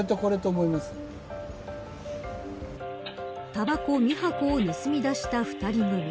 タバコ３箱を盗み出した２人組。